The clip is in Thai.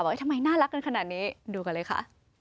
ทำไมน่ารักกันขนาดนี้ดูกันเลยค่ะ